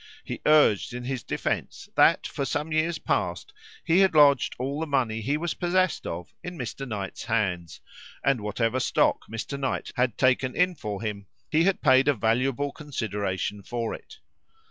He urged in his defence that, for some years past, he had lodged all the money he was possessed of in Mr. Knight's hands, and whatever stock Mr. Knight had taken in for him, he had paid a valuable consideration for it.